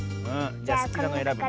じゃすきなのえらぶね。